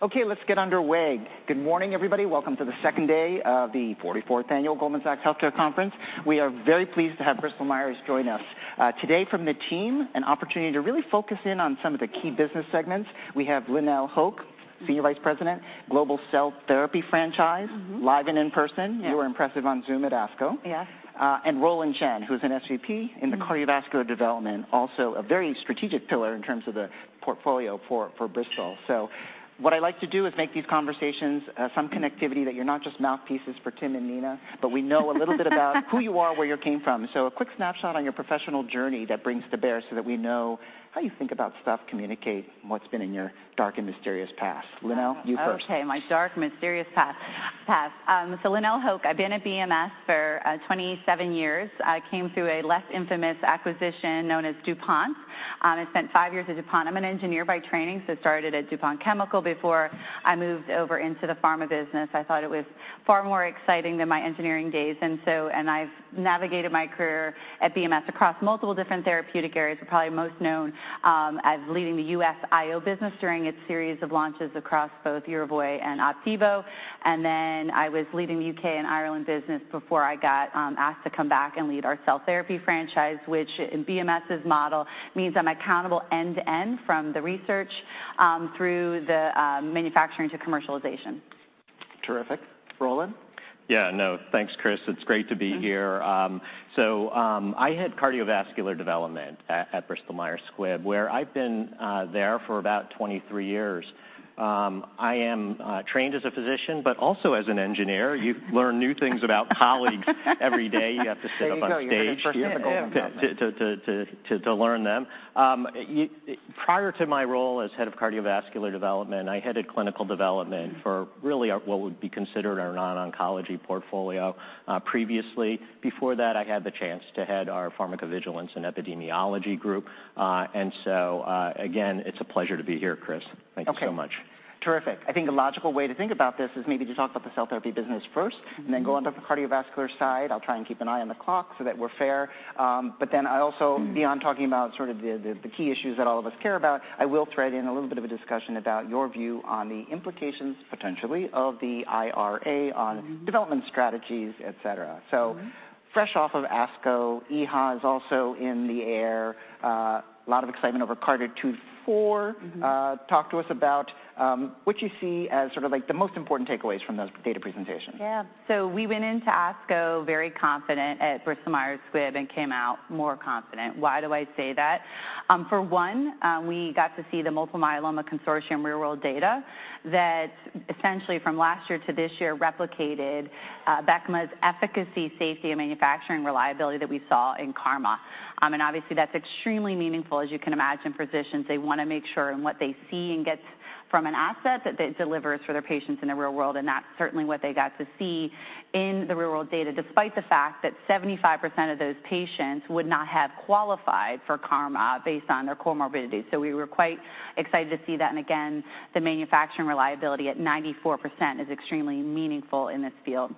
Okay, let's get underway. Good morning, everybody. Welcome to the second day of the 44th Annual Goldman Sachs Healthcare Conference. We are very pleased to have Bristol Myers join us. Today from the team, an opportunity to really focus in on some of the key business segments. We have Lynelle Hoch, Senior Vice President, Global Cell Therapy Franchise- Mm-hmm. live and in person. Yeah. You were impressive on Zoom at ASCO. Yes. Roland Chen, who is an SVP. Mm-hmm. in the cardiovascular development, also a very strategic pillar in terms of the portfolio for Bristol. What I like to do is make these conversations, some connectivity, that you're not just mouthpieces for Tim and Nina, but we know a little bit about who you are, where you came from. A quick snapshot on your professional journey that brings to bear, so that we know how you think about stuff, communicate what's been in your dark and mysterious past. Lynelle, you first. Okay, my dark, mysterious past. Lynelle Hoch, I've been at BMS for 27 years. I came through a less infamous acquisition known as DuPont. I spent five years at DuPont. I'm an engineer by training, started at DuPont Chemical before I moved over into the pharma business. I thought it was far more exciting than my engineering days. I've navigated my career at BMS across multiple different therapeutic areas. I'm probably most known as leading the U.S. IO business during its series of launches across both Yervoy and Opdivo. I was leading the U.K. and Ireland business before I got asked to come back and lead our cell therapy franchise, which in BMS's model, means I'm accountable end-to-end from the research through the manufacturing to commercialization. Terrific. Roland? Yeah, no. Thanks, Chris. It's great to be here. Mm-hmm. I head Cardiovascular Development at Bristol Myers Squibb, where I've been there for about 23 years. I am trained as a physician, but also as an engineer. You learn new things about colleagues, every day. You have to sit up on stage. There you go. You're the first to admit about that. Yeah. To learn them. Prior to my role as head of Cardiovascular Development, I headed Clinical Development for really our, what would be considered our non-oncology portfolio, previously. Before that, I had the chance to head our Pharmacovigilance and Epidemiology Group. Again, it's a pleasure to be here, Chris. Okay. Thank you so much. Terrific. I think a logical way to think about this is maybe to talk about the cell therapy business first. Mm-hmm. Go on to the cardiovascular side. I'll try and keep an eye on the clock so that we're fair. Mm-hmm Beyond talking about sort of the key issues that all of us care about, I will thread in a little bit of a discussion about your view on the implications, potentially, of the IRA, Mm-hmm development strategies, et cetera. Mm-hmm. Fresh off of ASCO, EHA is also in the air. A lot of excitement over CARTITUDE-4. Mm-hmm. Talk to us about what you see as sort of like the most important takeaways from those data presentations. Yeah. We went into ASCO very confident at Bristol Myers Squibb, and came out more confident. Why do I say that? For one, we got to see the Multiple Myeloma Research Consortium real-world data, that essentially, from last year to this year, replicated Abecma's efficacy, safety, and manufacturing reliability that we saw in KarMMa. Obviously, that's extremely meaningful. As you can imagine, physicians, they want to make sure in what they see and get from an asset, that it delivers for their patients in the real world, and that's certainly what they got to see in the real-world data, despite the fact that 75% of those patients would not have qualified for KarMMa based on their comorbidities. We were quite excited to see that, and again, the manufacturing reliability at 94% is extremely meaningful in this field.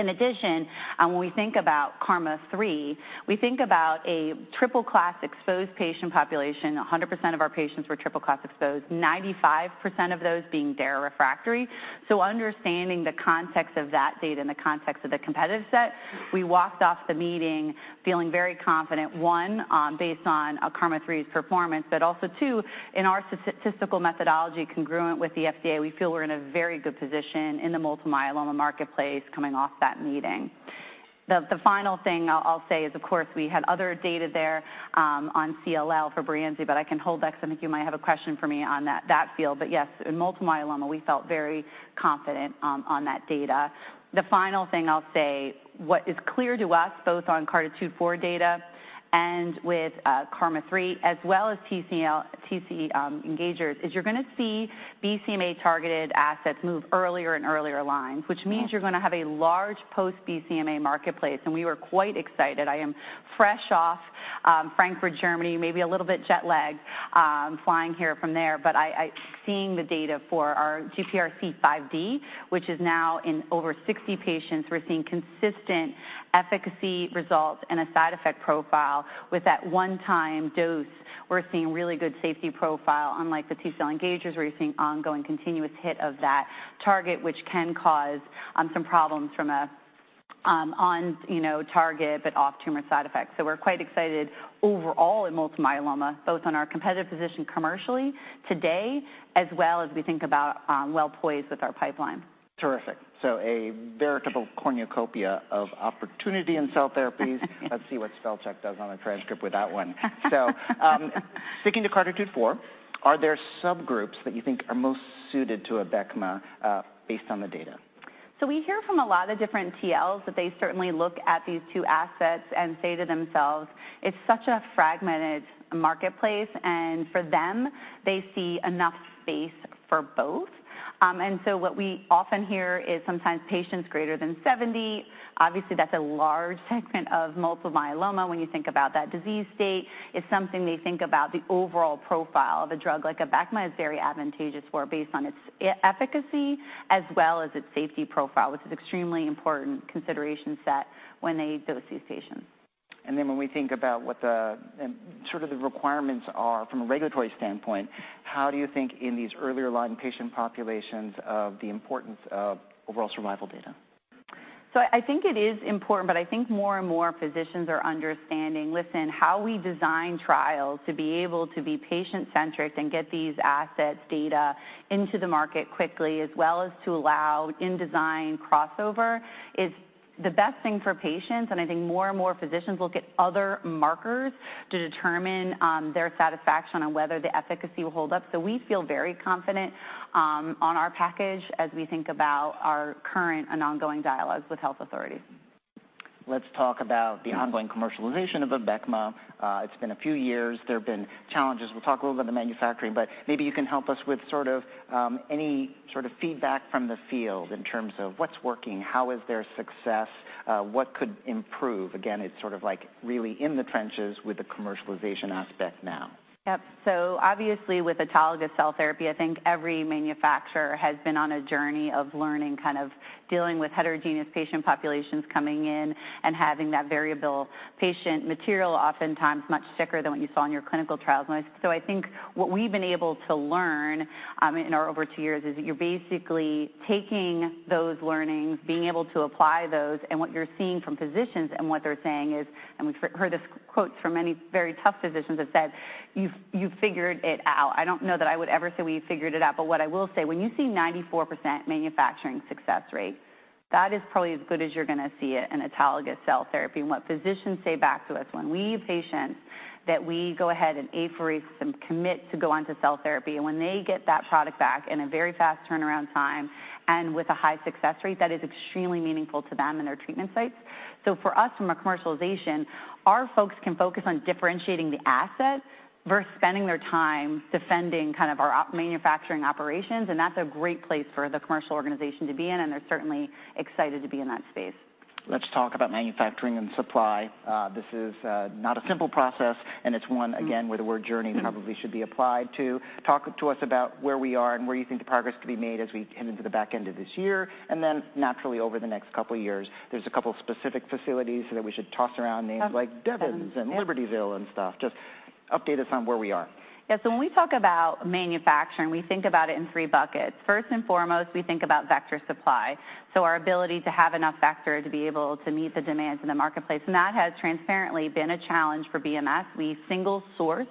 In addition, when we think about KarMMa-3, we think about a triple-class-exposed patient population. 100% of our patients were triple-class-exposed, 95% of those being dare refractory. Understanding the context of that data and the context of the competitive set, we walked off the meeting feeling very confident, one, based on KarMMa-3's performance, but also two, in our statistical methodology, congruent with the FDA, we feel we're in a very good position in the multiple myeloma marketplace coming off that meeting. The final thing I'll say is, of course, we had other data there on CLL for Breyanzi, I can hold that because I think you might have a question for me on that field. Yes, in multiple myeloma, we felt very confident on that data. The final thing I'll say, what is clear to us, both on CARTITUDE-4 data and with KarMMa-3, as well as T cell engagers, is you're going to see BCMA-targeted assets move earlier and earlier lines. Mm-hmm Which means you're going to have a large post-BCMA marketplace, and we were quite excited. I am fresh off Frankfurt, Germany, maybe a little bit jet-lagged, flying here from there. I seeing the data for our GPRC5D, which is now in over 60 patients, we're seeing consistent efficacy results and a side effect profile. With that one-time dose, we're seeing really good safety profile, unlike the T cell engagers, where you're seeing ongoing, continuous hit of that target, which can cause some problems from a on, you know, target, but off-tumor side effects. We're quite excited overall in multiple myeloma, both on our competitive position commercially today, as well as we think about well poised with our pipeline. Terrific. A veritable cornucopia of opportunity in cell therapies. Let's see what spell check does on the transcript with that one. Sticking to CARTITUDE-4, are there subgroups that you think are most suited to Abecma based on the data? We hear from a lot of different KOLs that they certainly look at these two assets and say to themselves, "It's such a fragmented marketplace," and for them, they see enough space for both. What we often hear is sometimes patients greater than 70. Obviously, that's a large segment of multiple myeloma when you think about that disease state. It's something they think about the overall profile of a drug, like Abecma is very advantageous for based on its efficacy, as well as its safety profile, which is extremely important consideration set when they dose these patients. When we think about what the sort of the requirements are from a regulatory standpoint, how do you think in these earlier line patient populations of the importance of overall survival data? I think it is important, but I think more and more physicians are understanding, listen, how we design trials to be able to be patient-centric and get these assets data into the market quickly, as well as to allow in design crossover, is the best thing for patients. I think more and more physicians look at other markers to determine their satisfaction on whether the efficacy will hold up. We feel very confident on our package as we think about our current and ongoing dialogues with health authorities. Let's talk about the Mm ongoing commercialization of Abecma. It's been a few years. There have been challenges. We'll talk a little about the manufacturing, but maybe you can help us with sort of, any sort of feedback from the field in terms of what's working, how is there success, what could improve? Again, it's sort of like really in the trenches with the commercialization aspect now. Yep. Obviously, with autologous cell therapy, I think every manufacturer has been on a journey of learning, kind of dealing with heterogeneous patient populations coming in and having that variable patient material, oftentimes much sicker than what you saw in your clinical trials. I think what we've been able to learn in our over two years is that you're basically taking those learnings, being able to apply those, and what you're seeing from physicians and what they're saying is, and we've heard this quotes from many very tough physicians have said, "You've figured it out." I don't know that I would ever say we figured it out, what I will say, when you see 94% manufacturing success rate, that is probably as good as you're going to see it in autologous cell therapy. What physicians say back to us, when we patients, that we go ahead and apheresis and commit to go on to cell therapy, and when they get that product back in a very fast turnaround time and with a high success rate, that is extremely meaningful to them and their treatment sites. For us, from a commercialization, our folks can focus on differentiating the asset versus spending their time defending kind of our manufacturing operations. That's a great place for the commercial organization to be in. They're certainly excited to be in that space. Let's talk about manufacturing and supply. This is not a simple process, and it's one, again. Mm Where the word journey probably should be applied to. Talk to us about where we are and where you think the progress could be made as we head into the back end of this year, then naturally over the next couple of years. There's a couple of specific facilities that we should toss around, names like Devens. Yeah. Libertyville and stuff. Just update us on where we are. When we talk about manufacturing, we think about it in three buckets. First and foremost, we think about vector supply, so our ability to have enough vector to be able to meet the demands in the marketplace, and that has transparently been a challenge for BMS. We single-sourced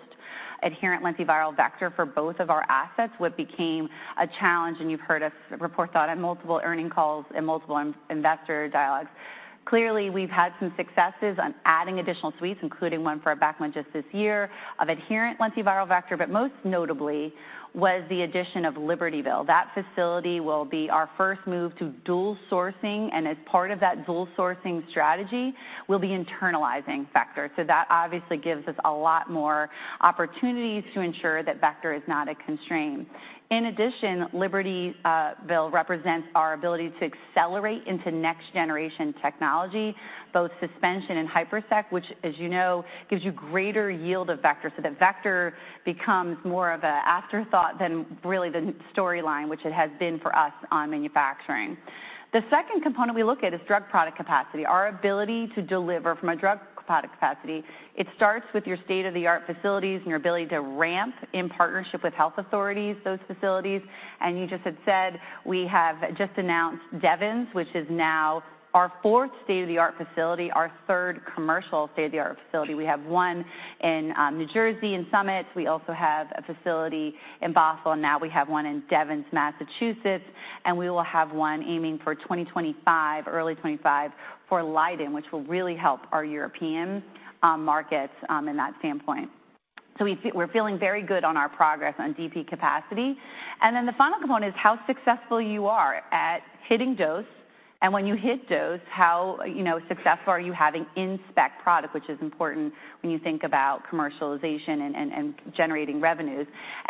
adherent lentiviral vector for both of our assets, what became a challenge, and you've heard us report thought on multiple earning calls and multiple investor dialogues. Clearly, we've had some successes on adding additional suites, including one for Abecma just this year, of adherent lentiviral vector, but most notably was the addition of Libertyville. That facility will be our first move to dual sourcing, and as part of that dual sourcing strategy, we'll be internalizing vector. That obviously gives us a lot more opportunities to ensure that vector is not a constraint. In addition, Liberty Ville represents our ability to accelerate into next-generation technology, both suspension and Hyphecan, which, as you know, gives you greater yield of vector. The vector becomes more of an afterthought than really the storyline, which it has been for us on manufacturing. The second component we look at is drug product capacity. Our ability to deliver from a drug product capacity, it starts with your state-of-the-art facilities and your ability to ramp in partnership with health authorities, those facilities. You just had said, we have just announced Devens, which is now our fourth state-of-the-art facility, our third commercial state-of-the-art facility. We have one in New Jersey, in Summit. We also have a facility in Boston. Now we have one in Devens, Massachusetts. We will have one aiming for 2025, early 25, for Leiden, which will really help our European markets in that standpoint. The final component is how successful you are at hitting dose, and when you hit dose, how successful are you having in-spec product, which is important when you think about commercialization and generating revenues.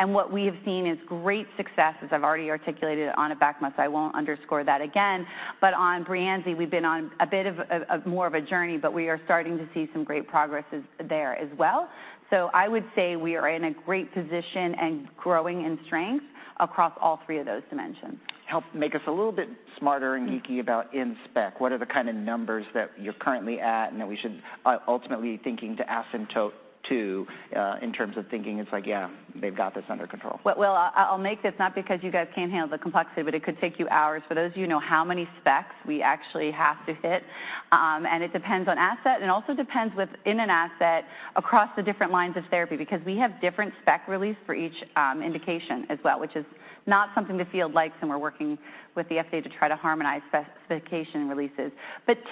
What we have seen is great success, as I've already articulated, on Abecma, so I won't underscore that again. On Breyanzi, we've been on a bit of more of a journey. We are starting to see some great progresses there as well. I would say we are in a great position and growing in strength across all three of those dimensions. Help make us a little bit smarter and geeky about in-spec. What are the kind of numbers that you're currently at and that we should ultimately be thinking to asymptote to, in terms of thinking it's like, yeah, they've got this under control? Well, I'll make this, not because you guys can't handle the complexity, but it could take you hours. For those of you who know how many specs we actually have to hit, and it depends on asset, and it also depends within an asset across the different lines of therapy, because we have different spec release for each indication as well, which is not something to feel like, and we're working with the FDA to try to harmonize specification releases.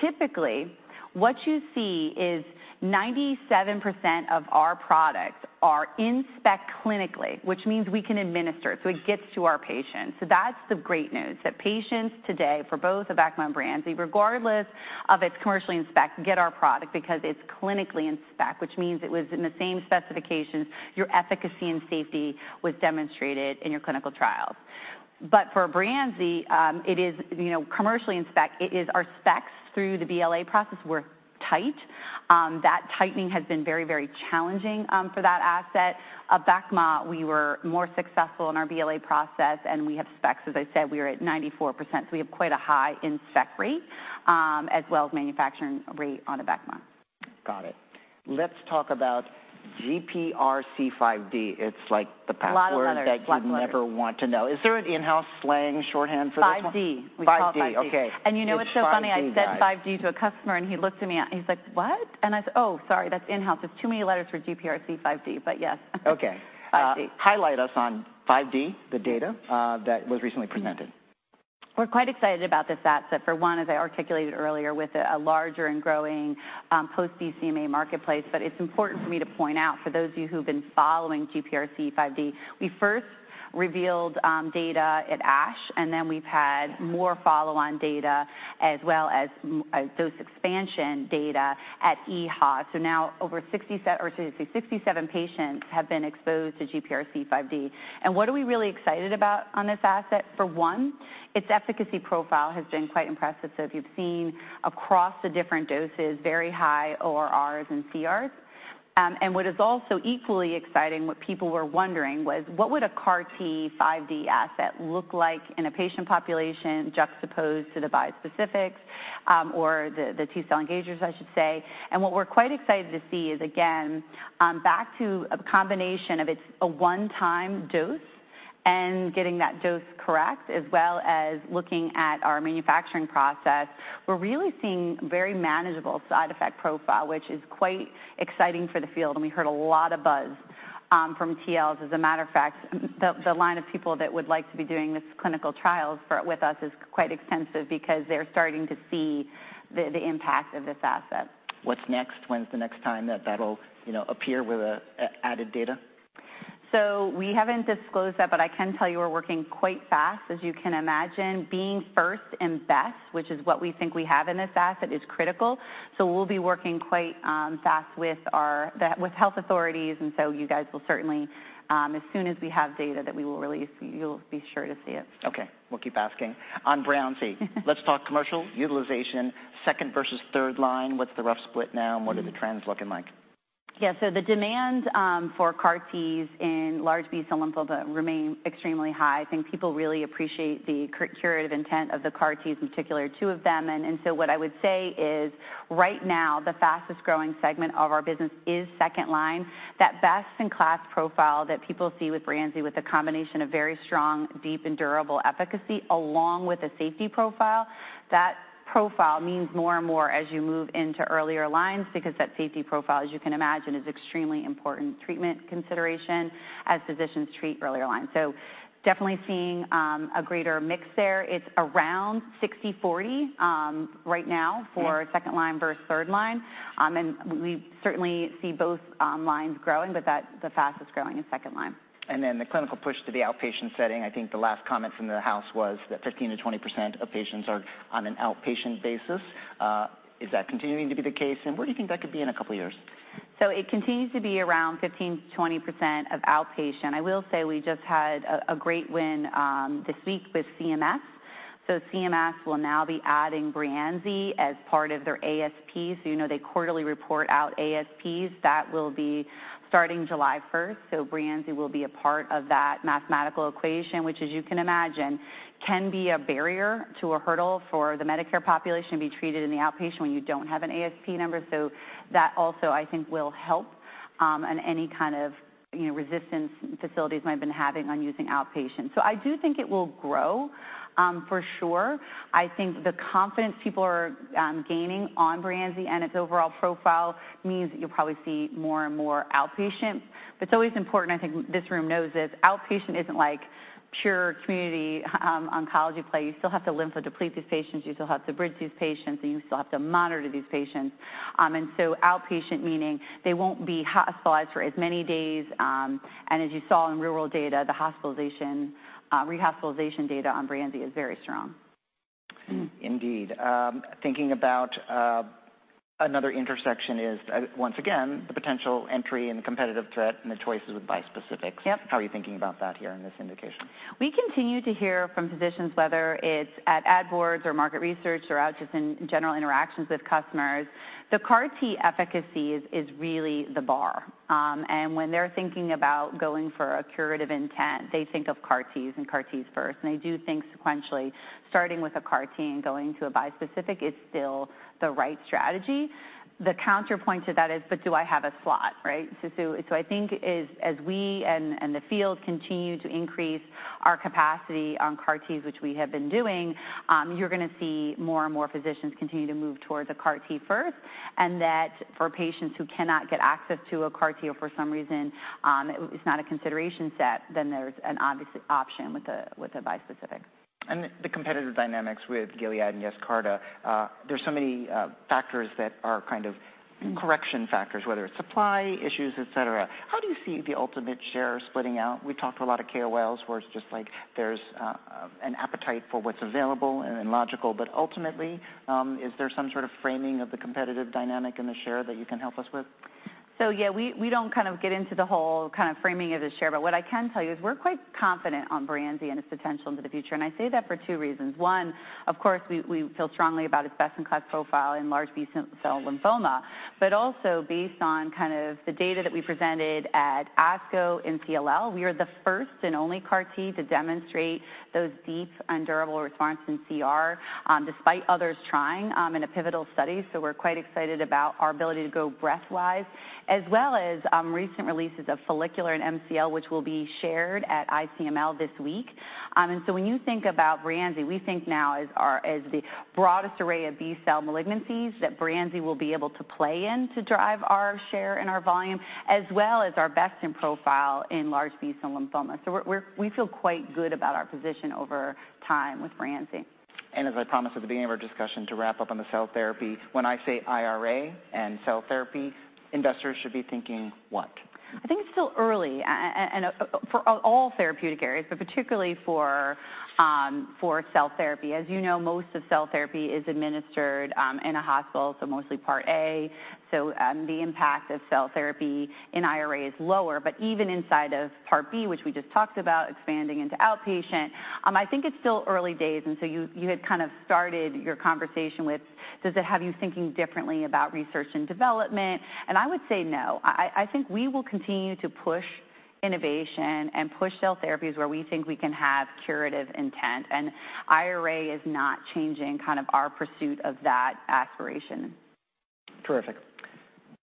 Typically, what you see is 97% of our products are in spec clinically, which means we can administer it, so it gets to our patients. That's the great news, that patients today, for both Abecma and Breyanzi, regardless of its commercially in spec, get our product because it's clinically in spec, which means it was in the same specifications, your efficacy and safety was demonstrated in your clinical trials. For Breyanzi, it is, you know, commercially in spec, it is our specs through the BLA process were tight. That tightening has been very challenging for that asset. Abecma, we were more successful in our BLA process, and we have specs. As I said, we are at 94%, so we have quite a high in-spec rate as well as manufacturing rate on Abecma. Got it. Let's talk about GPRC5D. It's like the password A lot of letters, lot of letters that you'd never want to know. Is there an in-house slang shorthand for this one? 5D. 5D. We call it 5D. Okay. You know what's so funny? It's 5D, guys. I said 5D to a customer. He looked at me, and he's like: "What?" I said, "Oh, sorry, that's in-house. It's too many letters for GPRC5D, but yes. Okay. 5D. Highlight us on 5D, the data that was recently presented. We're quite excited about this asset. For one, as I articulated earlier, with a larger and growing post-BCMA marketplace. It's important for me to point out, for those of you who've been following GPRC5D, we first revealed data at ASH, and then we've had more follow-on data, as well as those expansion data at EHA. Now over 67 patients have been exposed to GPRC5D. What are we really excited about on this asset? For one, its efficacy profile has been quite impressive. As you've seen across the different doses, very high ORRs and CRs. What is also equally exciting, what people were wondering was: What would a CAR T 5D asset look like in a patient population juxtaposed to the bispecifics or the T cell engagers, I should say? What we're quite excited to see is, again, back to a combination of it's a one-time dose and getting that dose correct, as well as looking at our manufacturing process. We're really seeing very manageable side effect profile, which is quite exciting for the field, and we heard a lot of buzz from KOLs. As a matter of fact, the line of people that would like to be doing this clinical trials with us is quite extensive because they're starting to see the impact of this asset. What's next? When's the next time that that'll, you know, appear with added data? We haven't disclosed that, but I can tell you we're working quite fast. As you can imagine, being first and best, which is what we think we have in this asset, is critical. We'll be working quite fast with health authorities, and so you guys will certainly... As soon as we have data that we will release, you'll be sure to see it. Okay. We'll keep asking. On Breyanzi, let's talk commercial utilization, second versus third line. What's the rough split now, and what are the trends looking like? Yeah, the demand for CAR Ts in Large B cell lymphoma remain extremely high. I think people really appreciate the curative intent of the CAR Ts, in particular, two of them. What I would say is, right now, the fastest-growing segment of our business is second line. That best-in-class profile that people see with Breyanzi, with a combination of very strong, deep, and durable efficacy along with a safety profile, that profile means more and more as you move into earlier lines because that safety profile, as you can imagine, is extremely important treatment consideration as physicians treat earlier lines. Definitely seeing a greater mix there. It's around 60, 40, right now Yeah for second line versus third line. We certainly see both lines growing, but the fastest growing is second line. The clinical push to the outpatient setting, I think the last comment from the house was that 15% to 20% of patients are on an outpatient basis. Is that continuing to be the case? Where do you think that could be in a couple of years? It continues to be around 15% to 20% of outpatient. I will say we just had a great win this week with CMS. CMS will now be adding Breyanzi as part of their ASP. You know, they quarterly report out ASPs. That will be starting July 1st. Breyanzi will be a part of that mathematical equation, which, as you can imagine, can be a barrier to a hurdle for the Medicare population to be treated in the outpatient when you don't have an ASP number. That also, I think, will help on any kind of, you know, resistance facilities might have been having on using outpatient. I do think it will grow for sure. I think the confidence people are gaining on Breyanzi and its overall profile means that you'll probably see more and more outpatients. It's always important, I think this room knows this, outpatient isn't like pure community, oncology play. You still have to lymphodeplete these patients, you still have to bridge these patients, and you still have to monitor these patients. Outpatient, meaning they won't be hospitalized for as many days, and as you saw in real-world data, the hospitalization, rehospitalization data on Breyanzi is very strong. Indeed. Thinking about another intersection is once again the potential entry and competitive threat and the choices with bispecifics. Yep. How are you thinking about that here in this indication? We continue to hear from physicians, whether it's at ad boards or market research or out just in general interactions with customers. The CAR T efficacies is really the bar, and when they're thinking about going for a curative intent, they think of CAR Ts and CAR Ts first, and they do think sequentially, starting with a CAR T and going to a bispecific is still the right strategy. The counterpoint to that is, do I have a slot, right? I think as we and the field continue to increase our capacity on CAR Ts, which we have been doing, you're going to see more and more physicians continue to move towards a CAR T first, and that for patients who cannot get access to a CAR T or for some reason, it's not a consideration set, then there's an obvious option with a bispecific. The competitive dynamics with Gilead and Yescarta, there's so many factors that are Mm correction factors, whether it's supply issues, et cetera. How do you see the ultimate share splitting out? We talked to a lot of KOLs, where it's just like there's an appetite for what's available and logical, but ultimately, is there some sort of framing of the competitive dynamic and the share that you can help us with? Yeah, we don't kind of get into the whole kind of framing of the share, but what I can tell you is we're quite confident on Breyanzi and its potential into the future, and I say that for two reasons. One, of course, we feel strongly about its best-in-class profile in large B cell lymphoma, but also based on kind of the data that we presented at ASCO and CLL, we are the first and only CAR T to demonstrate those deep and durable response in CR, despite others trying in a pivotal study. We're quite excited about our ability to go breadth-wise, as well as recent releases of follicular and MCL, which will be shared at ICML this week. When you think about Breyanzi, we think now as the broadest array of B cell malignancies that Breyanzi will be able to play in to drive our share and our volume, as well as our best in profile in large B cell lymphoma. We feel quite good about our position over time with Breyanzi. As I promised at the beginning of our discussion, to wrap up on the cell therapy, when I say IRA and cell therapy, investors should be thinking what? I think it's still early for all therapeutic areas, but particularly for cell therapy. As you know, most of cell therapy is administered in a hospital, so mostly Part A, so the impact of cell therapy in IRA is lower. Even inside of Part B, which we just talked about, expanding into outpatient, I think it's still early days, you had kind of started your conversation with, Does it have you thinking differently about research and development? I would say no. I think we will continue to push innovation and push cell therapies where we think we can have curative intent, IRA is not changing kind of our pursuit of that aspiration. Terrific.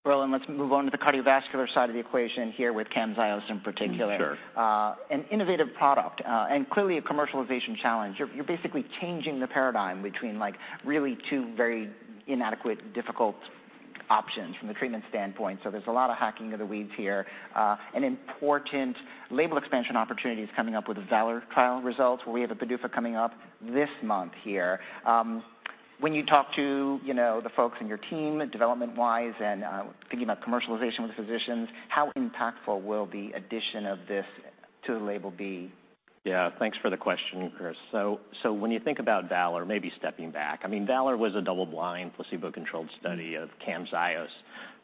Roland, let's move on to the cardiovascular side of the equation here with Camzyos in particular. Sure. An innovative product, clearly a commercialization challenge. You're basically changing the paradigm between, like, two very inadequate, difficult options from the treatment standpoint. There's a lot of hacking of the weeds here. An important label expansion opportunity is coming up with the VALOR trial results, where we have a PDUFA coming up this month here. When you talk to the folks in your team, development-wise, and thinking about commercialization with physicians, how impactful will the addition of this to the label be? Yeah. Thanks for the question, Chris. When you think about VALOR, maybe stepping back, I mean, VALOR was a double-blind, placebo-controlled study of Camzyos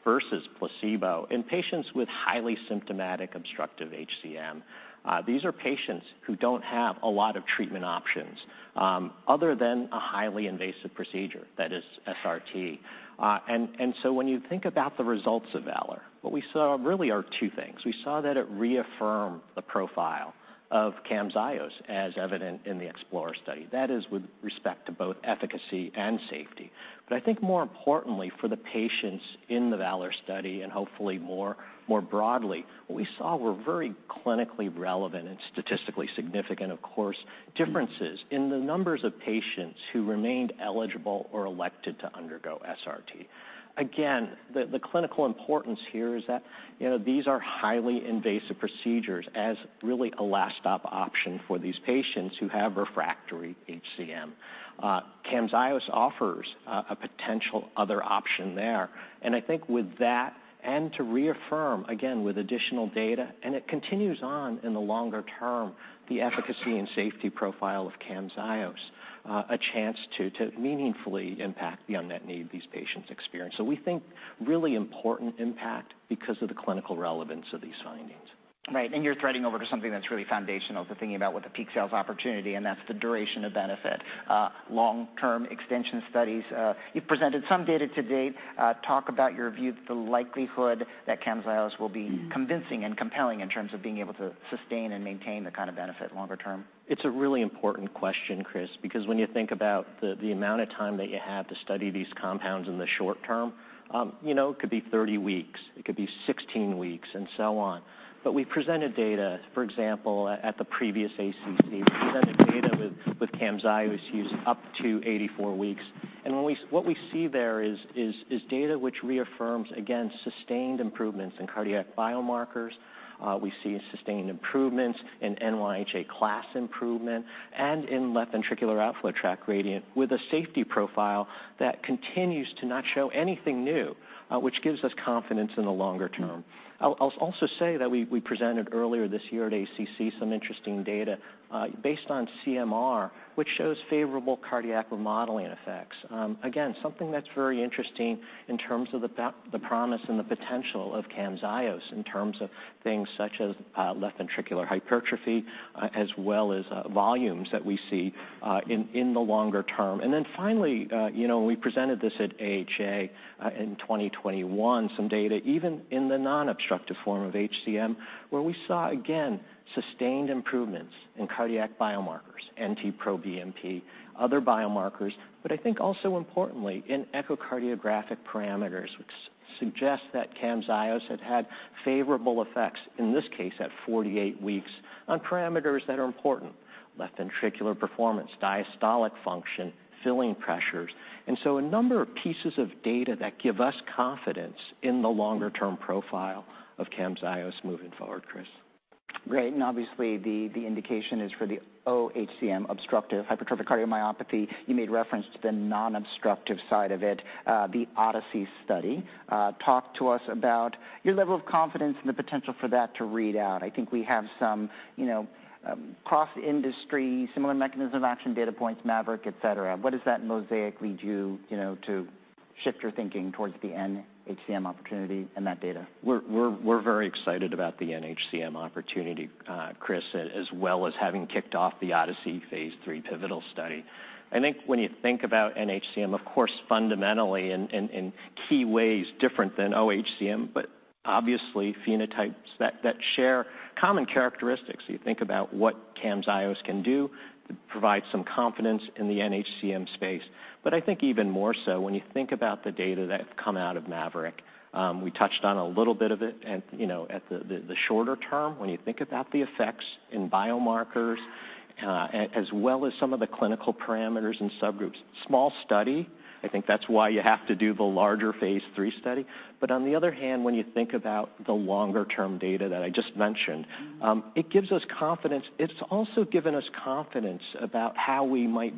versus placebo in patients with highly symptomatic obstructive HCM. These are patients who don't have a lot of treatment options, other than a highly invasive procedure, that is SRT. When you think about the results of VALOR, what we saw really are two things. We saw that it reaffirmed the profile of Camzyos, as evident in the Explorer study. That is with respect to both efficacy and safety. I think more importantly for the patients in the VALOR study, and hopefully more broadly, what we saw were very clinically relevant and statistically significant, of course, differences in the numbers of patients who remained eligible or elected to undergo SRT. Again, the clinical importance here is that, you know, these are highly invasive procedures as really a last-stop option for these patients who have refractory HCM. Camzyos offers a potential other option there, and I think with that, and to reaffirm, again, with additional data, and it continues on in the longer term, the efficacy and safety profile of Camzyos, a chance to meaningfully impact the unmet need these patients experience. We think really important impact because of the clinical relevance of these findings. Right. You're threading over to something that's really foundational to thinking about what the peak sales opportunity, and that's the duration of benefit, long-term extension studies. You've presented some data to date. Talk about your view of the likelihood that Camzyos will be convincing and compelling in terms of being able to sustain and maintain the kind of benefit longer term. It's a really important question, Chris, because when you think about the amount of time that you have to study these compounds in the short term, you know, it could be 30 weeks, it could be 16 weeks, and so on. We presented data, for example, at the previous ACC. We presented data with Camzyos used up to 84 weeks. When what we see there is data which reaffirms, again, sustained improvements in cardiac biomarkers. We see sustained improvements in NYHA class improvement and in left ventricular outflow tract gradient with a safety profile that continues to not show anything new, which gives us confidence in the longer term. I'll also say that we presented earlier this year at ACC some interesting data, based on CMR, which shows favorable cardiac remodeling effects. Again, something that's very interesting in terms of the promise and the potential of Camzyos, in terms of things such as left ventricular hypertrophy, as well as volumes that we see in the longer term. Finally, you know, we presented this at AHA in 2021, some data, even in the non-obstructive form of HCM, where we saw, again, sustained improvements in cardiac biomarkers, NT-proBNP, other biomarkers, but I think also importantly in echocardiographic parameters, which suggests that Camzyos had favorable effects, in this case at 48 weeks, on parameters that are important: left ventricular performance, diastolic function, filling pressures. A number of pieces of data that give us confidence in the longer-term profile of Camzyos moving forward, Chris. Great. Obviously, the indication is for the OHCM, obstructive hypertrophic cardiomyopathy. You made reference to the non-obstructive side of it, the ODYSSEY-HCM study. Talk to us about your level of confidence and the potential for that to read out. I think we have some, you know, cross-industry, similar mechanism of action, data points, MAVERICK, et cetera. What does that mosaic lead you know, to shift your thinking towards the NHCM opportunity and that data? We're very excited about the NHCM opportunity, Chris, as well as having kicked off the ODYSSEY phase III pivotal study. I think when you think about NHCM, of course, fundamentally in key ways different than OHCM, but obviously phenotypes that share common characteristics. You think about what Camzyos can do to provide some confidence in the NHCM space. I think even more so, when you think about the data that come out of MAVERICK, we touched on a little bit of it and, you know, at the shorter term, when you think about the effects in biomarkers, as well as some of the clinical parameters and subgroups. Small study, I think that's why you have to do the larger phase III study. On the other hand, when you think about the longer-term data that I just mentioned, it gives us confidence. It's also given us confidence about how we might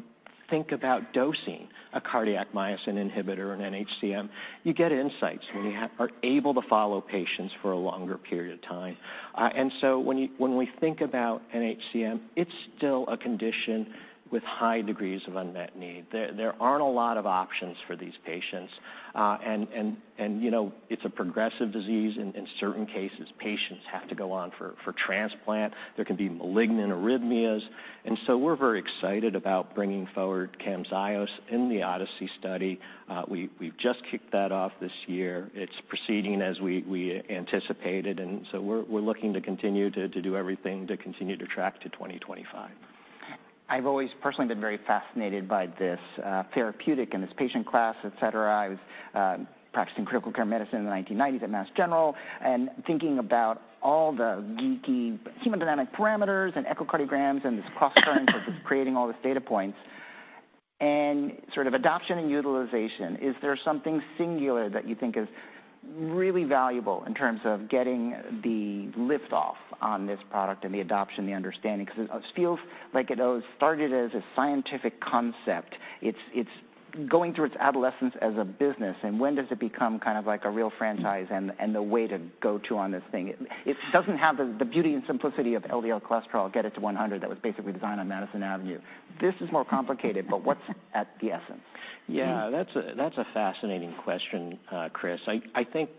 think about dosing a cardiac myosin inhibitor in NHCM. You get insights when you are able to follow patients for a longer period of time. When we think about NHCM, it's still a condition with high degrees of unmet need. There aren't a lot of options for these patients. You know, it's a progressive disease. In certain cases, patients have to go on for transplant. There can be malignant arrhythmias, so we're very excited about bringing forward Camzyos in the ODYSSEY study. We've just kicked that off this year. It's proceeding as we anticipated, we're looking to continue to do everything to continue to track to 2025. I've always personally been very fascinated by this therapeutic and this patient class, et cetera. I was practicing critical care medicine in the 1990s at Massachusetts General Hospital and thinking about all the geeky hemodynamic parameters and echocardiograms and this cross current that is creating all this data points. Sort of adoption and utilization, is there something singular that you think is really valuable in terms of getting the lift off on this product and the adoption, the understanding? It feels like it started as a scientific concept. It's going through its adolescence as a business, when does it become kind of like a real franchise? The way to go to on this thing? It doesn't have the beauty and simplicity of LDL cholesterol, get it to 100. That was basically designed on Madison Avenue. This is more complicated, but what's at the essence? Yeah, that's a fascinating question, Chris. I think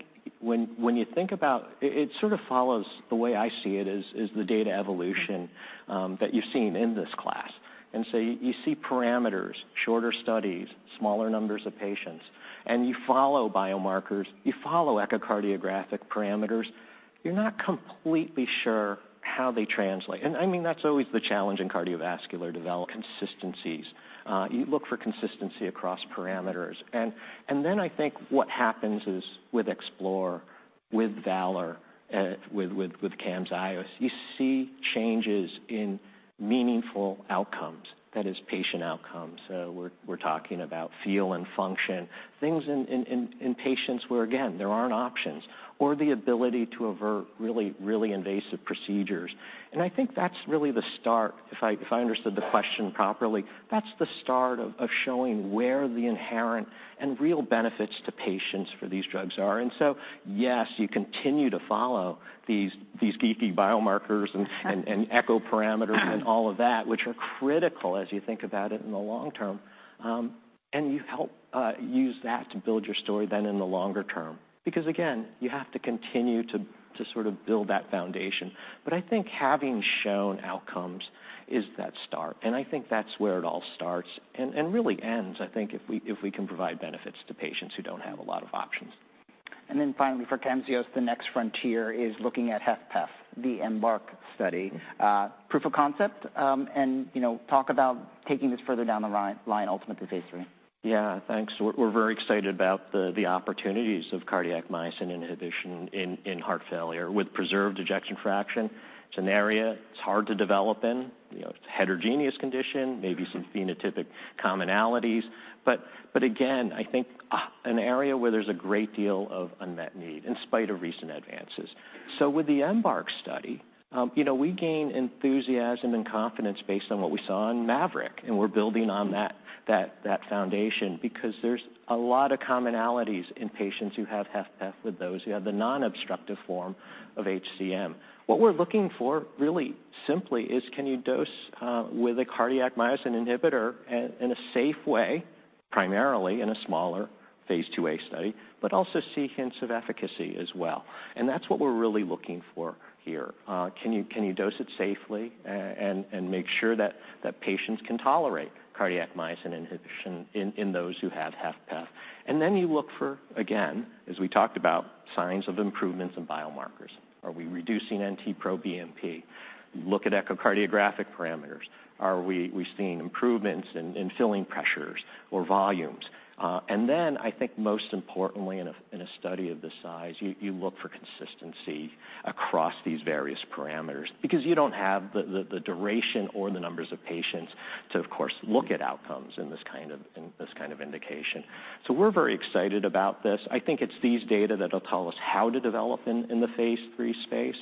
when you think about it sort of follows the way I see it, is the data evolution that you've seen in this class. You see parameters, shorter studies, smaller numbers of patients, and you follow biomarkers, you follow echocardiographic parameters. You're not completely sure how they translate, and I mean, that's always the challenge in cardiovascular development, consistencies. You look for consistency across parameters. Then I think what happens is with EXPLORER, with VALOR, with Camzyos, you see changes in meaningful outcomes, that is, patient outcomes. We're talking about feel and function, things in patients where, again, there aren't options, or the ability to avert really invasive procedures. I think that's really the start, if I understood the question properly, that's the start of showing where the inherent and real benefits to patients for these drugs are. Yes, you continue to follow these geeky biomarkers and echo parameters and all of that, which are critical as you think about it in the long term. You help use that to build your story then in the longer term. Again, you have to continue to sort of build that foundation. I think having shown outcomes is that start, and I think that's where it all starts and really ends, I think, if we can provide benefits to patients who don't have a lot of options. Finally, for Camzyos, the next frontier is looking at HFpEF, the EMBARK study. Proof of concept, you know, talk about taking this further down the line, ultimately, phase III. Yeah, thanks. We're very excited about the opportunities of cardiac myosin inhibition in heart failure with preserved ejection fraction. It's an area that's hard to develop in, you know, heterogeneous condition. Maybe some phenotypic commonalities, but again, I think, an area where there's a great deal of unmet need, in spite of recent advances. With the EMBARK study, you know, we gain enthusiasm and confidence based on what we saw in MAVERICK, and we're building on that foundation because there's a lot of commonalities in patients who have HFpEF with those who have the non-obstructive form of HCM. What we're looking for, really simply, is can you dose with a cardiac myosin inhibitor in a safe way, primarily in a smaller phase IIa study, but also see hints of efficacy as well? That's what we're really looking for here. Can you dose it safely and make sure that patients can tolerate cardiac myosin inhibition in those who have HFpEF? You look for, again, as we talked about, signs of improvements in biomarkers. Are we reducing NT-proBNP? Look at echocardiographic parameters. Are we seeing improvements in filling pressures or volumes? I think most importantly, in a study of this size, you look for consistency across these various parameters because you don't have the duration or the numbers of patients to, of course, look at outcomes in this kind of indication. We're very excited about this. I think it's these data that'll tell us how to develop in the phase IIII space.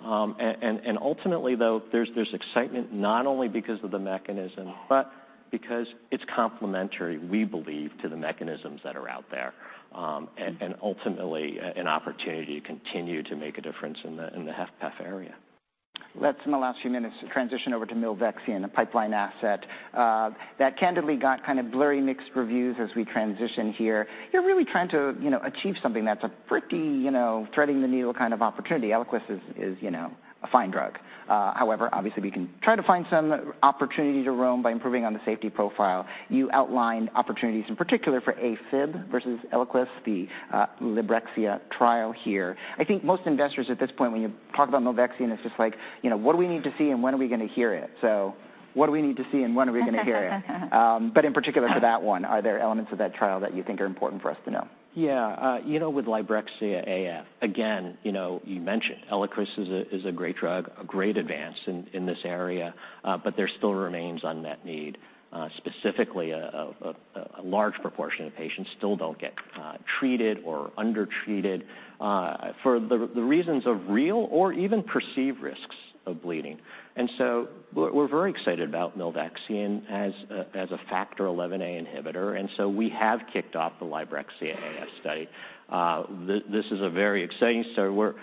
And ultimately, though, there's excitement, not only because of the mechanism, but because it's complementary, we believe, to the mechanisms that are out there. And ultimately, an opportunity to continue to make a difference in the HFpEF area. Let's, in the last few minutes, transition over to milvexian, a pipeline asset that candidly got kind of blurry, mixed reviews as we transition here. You're really trying to, you know, achieve something that's a pretty, you know, threading the needle kind of opportunity. Eliquis is, you know, a fine drug. However, obviously we can try to find some opportunity to roam by improving on the safety profile. You outlined opportunities in particular for AFib versus Eliquis, the Librexia trial here. I think most investors at this point, when you talk about milvexian, it's just like, you know, "What do we need to see, and when are we gonna hear it?" What do we need to see, and when are we gonna hear it? In particular to that one, are there elements of that trial that you think are important for us to know? Yeah, you know, with Librexia AF, again, you know, you mentioned Eliquis is a great drug, a great advance in this area, there still remains unmet need. Specifically a large proportion of patients still don't get treated or are undertreated for the reasons of real or even perceived risks of bleeding. We're very excited about milvexian as a factor XIa inhibitor, we have kicked off the Librexia AF study. This is a very exciting study, where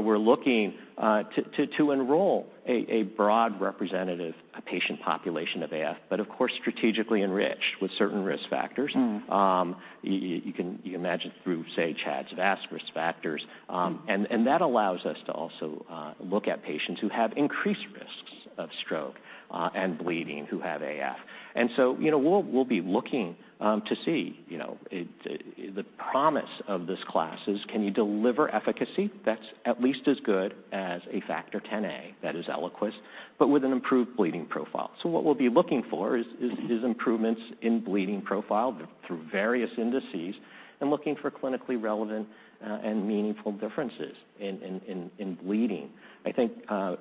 we're looking to enroll a broad representative patient population of AF, of course, strategically enriched with certain risk factors. Mm. You can imagine through, say, CHA₂DS₂-VASc risk factors. Mm. That allows us to also look at patients who have increased risks of stroke and bleeding, who have AF. You know, we'll be looking to see, you know, the promise of this class is can you deliver efficacy that's at least as good as a factor Xa, that is Eliquis, but with an improved bleeding profile? What we'll be looking for is improvements in bleeding profile through various indices, and looking for clinically relevant and meaningful differences in bleeding. I think,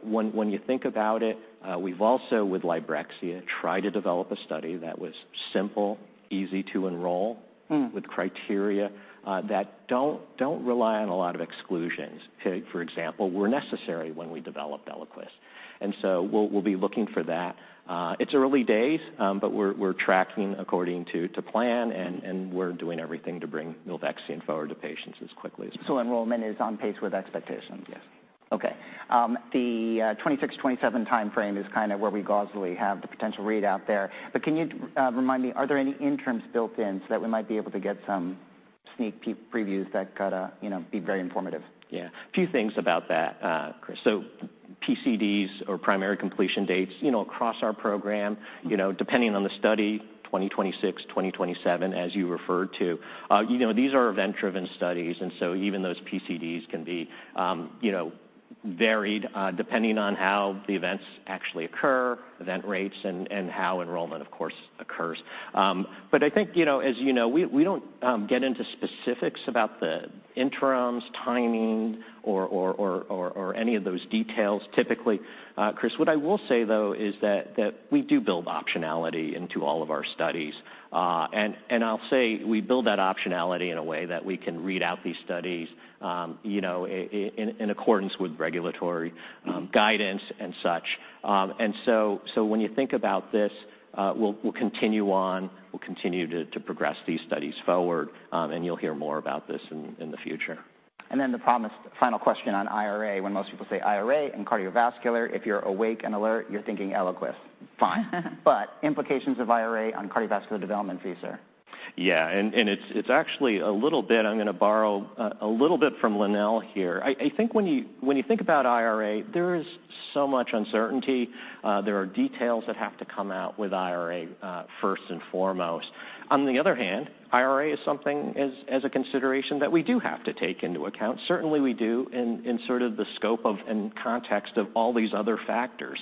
when you think about it, we've also, with Librexia, tried to develop a study that was simple, easy to enroll Mm with criteria that don't rely on a lot of exclusions. For example, were necessary when we developed Eliquis. We'll be looking for that. It's early days. We're tracking according to plan and we're doing everything to bring Milvexian forward to patients as quickly as possible. Enrollment is on pace with expectations? Yes. Okay. The 2026, 2027 timeframe is kind of where we gauzily have the potential read out there. Can you remind me, are there any interims built in so that we might be able to get some sneak previews that could, you know, be very informative? Yeah. A few things about that, Chris. PCDs, or primary completion dates, you know, across our program Mm you know, depending on the study, 2026, 2027, as you referred to. you know, these are event-driven studies, so even those PCDs can be, you know, varied, depending on how the events actually occur, event rates, and how enrollment, of course, occurs. I think, you know, as you know, we don't get into specifics about the interims, timing, or any of those details typically, Chris. What I will say, though, is that we do build optionality into all of our studies, and I'll say we build that optionality in a way that we can read out these studies, you know, in accordance with regulatory Mm guidance and such. When you think about this, we'll continue on, we'll continue to progress these studies forward, and you'll hear more about this in the future. The promised final question on IRA. When most people say IRA and cardiovascular, if you're awake and alert, you're thinking Eliquis. Fine. Implications of IRA on cardiovascular development for you, sir? Yeah, it's actually a little bit. I'm gonna borrow a little bit from Lynelle here. I think when you think about IRA, there is so much uncertainty. There are details that have to come out with IRA, first and foremost. On the other hand, IRA is something as a consideration that we do have to take into account. Certainly, we do in sort of the scope of and context of all these other factors.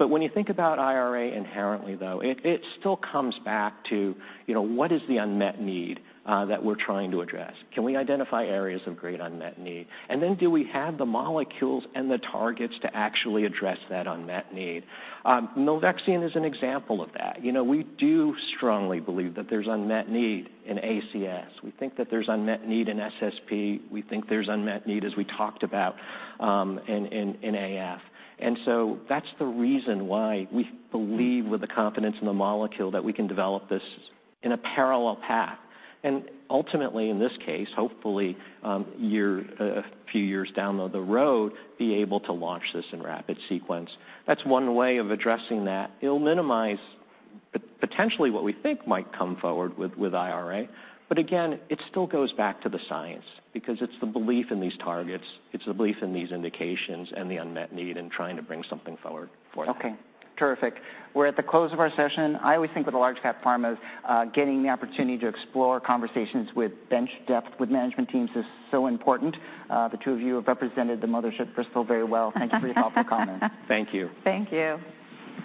When you think about IRA inherently, though, it still comes back to, you know, what is the unmet need that we're trying to address? Can we identify areas of great unmet need? And then do we have the molecules and the targets to actually address that unmet need? Milvexian is an example of that. You know, we do strongly believe that there's unmet need in ACS. We think that there's unmet need in SSP. We think there's unmet need, as we talked about, in AF. That's the reason why we believe, with a confidence in the molecule, that we can develop this in a parallel path, and ultimately, in this case, hopefully, a few years down the road, be able to launch this in rapid sequence. That's one way of addressing that. It'll minimize potentially what we think might come forward with IRA. Again, it still goes back to the science, because it's the belief in these targets, it's the belief in these indications and the unmet need, and trying to bring something forward for it. Okay, terrific. We're at the close of our session. I always think with the large cap pharmas, getting the opportunity to explore conversations with bench depth, with management teams is so important. The two of you have represented the mothership Bristol very well. Thank you for your helpful comments. Thank you. Thank you.